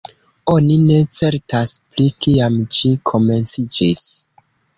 Oni ne certas pri kiam ĝi komenciĝis.